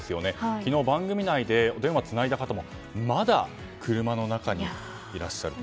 昨日、番組内でお電話とつないだ方はまだ車の中にいらっしゃると。